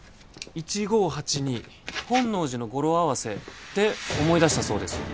本能寺の語呂合わせで思い出したそうです